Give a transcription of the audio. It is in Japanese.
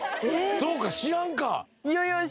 そっか知らんか。